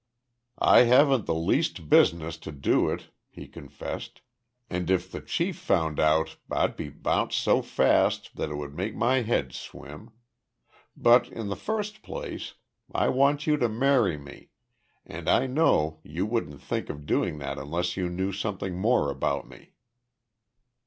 "I haven't the least business to do it," he confessed, "and if the chief found it out I'd be bounced so fast that it would make my head swim. But, in the first place, I want you to marry me, and I know you wouldn't think of doing that unless you knew something more about me."